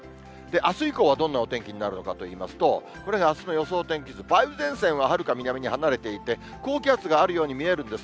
あす以降はどんなお天気になるのかといいますと、これがあすの予想天気図、梅雨前線ははるか南に離れていて、高気圧があるように見えるんです。